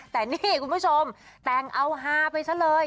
แต่นี่คุณผู้ชมแต่งเอาฮาไปซะเลย